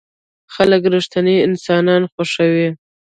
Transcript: خلک رښتيني انسانان خوښوي.